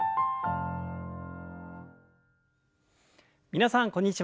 皆さんこんにちは。